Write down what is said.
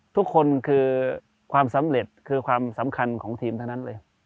ทุกคนคือความสำเร็จคือความสำคัญของทีมทั้งนั้นเลย